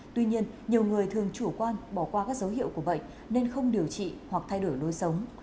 tuy nhiên nhiều người thường chủ quan bỏ qua các dấu hiệu của bệnh nên không điều trị hoặc thay đổi lối sống